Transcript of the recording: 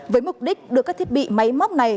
với mục đích đưa các thiết bị máy móc này